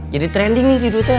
jadi trending nih di twitter